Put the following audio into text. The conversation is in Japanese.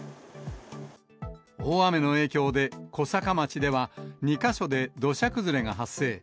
大雨の影響で、小坂町では２か所で土砂崩れが発生。